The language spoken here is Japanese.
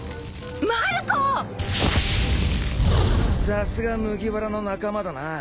さすが麦わらの仲間だな。